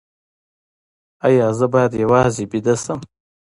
ایا زه باید یوازې ویده شم؟